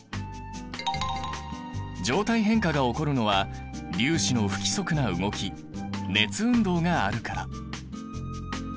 状態変化が起こるのは粒子の不規則な動き熱運動があるから。